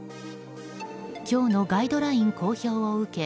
今日のガイドライン公表を受け